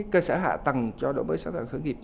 cơ sở hạ tầng cho đổi mới sáng tạo khởi nghiệp